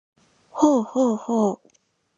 ほうほうほう